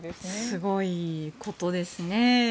すごいことですね。